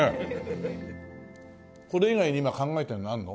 これ以外に今考えてるのあるの？